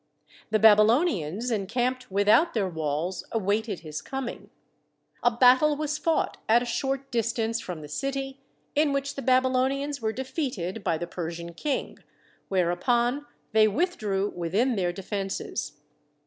The Babylonians, encamped without their walls, awaited his coming. A battle was fought at a short distance from the city, 56 THE SEVEN WONDERS in which the Babylonians were defeated by the Per sian King, whereupon they withdrew within their defences.